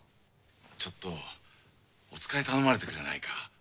ちょっとおつかい頼まれてくれないか？